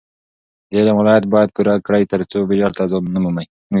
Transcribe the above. د علم ولایت باید پوره کړي ترڅو جهل ته ځای نه وي.